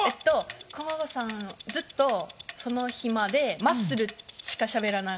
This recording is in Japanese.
駒場さん、ずっとその日まで「マッスル」しかしゃべらない。